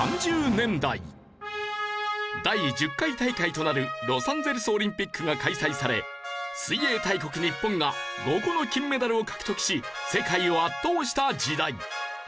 第１０回大会となるロサンゼルスオリンピックが開催され水泳大国日本が５個の金メダルを獲得し世界を圧倒した時代。